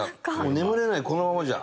眠れないこのままじゃ。